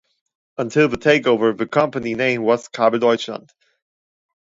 Until the takeover the company name was "Kabel Deutschland".